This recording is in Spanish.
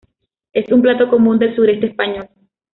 Es un plato común del sureste español.